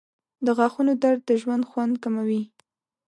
• د غاښونو درد د ژوند خوند کموي.